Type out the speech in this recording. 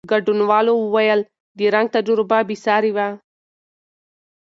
ګډونوالو وویل، د رنګ تجربه بېساري وه.